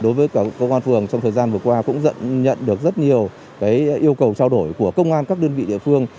đối với cả công an phường trong thời gian vừa qua cũng nhận được rất nhiều yêu cầu trao đổi của công an các đơn vị địa phương